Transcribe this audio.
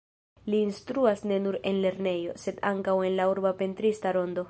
Li instruas ne nur en lernejo, sed ankaŭ en la urba pentrista rondo.